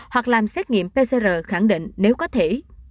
hoặc làm xét nghiệm pcr khẳng định nếu có thể